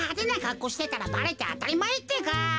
こうしてたらばれてあたりまえってか。